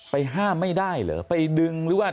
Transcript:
ห้ามไม่ได้เหรอไปดึงหรือว่า